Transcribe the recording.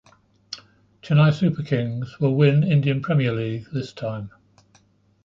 Chennai Super Kings will win Indian Premier League this time.